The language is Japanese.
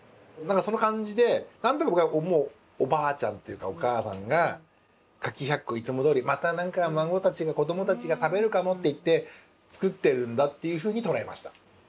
その感じで何となく僕はもうおばあちゃんっていうかお母さんが柿百個いつもどおりまた何か孫たちが子どもたちが食べるかもっていって作ってるんだっていうふうに捉えました。